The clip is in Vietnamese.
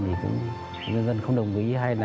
thì nhân dân không đồng ý hay là